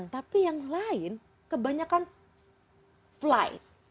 tapi yang lain kebanyakan flight